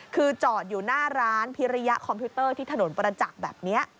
คือจอดอยู่หน้าร้านพิริยะคอมพิวเตอร์ที่ถนนประจักษ์แบบนี้